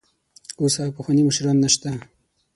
اوس هغه پخواني مشران نشته.